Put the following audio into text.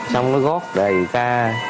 xong nó rót đầy ca